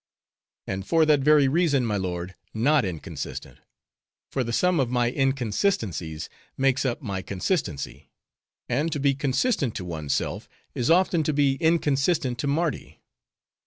"And for that very reason, my lord, not inconsistent; for the sum of my inconsistencies makes up my consistency. And to be consistent to one's self, is often to be inconsistent to Mardi.